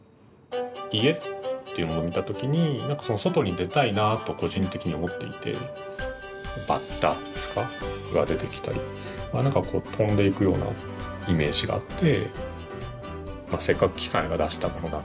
「家」っていうのを見た時に何か外に出たいなと個人的に思っていてバッタが出てきたり何か飛んでいくようなイメージがあって。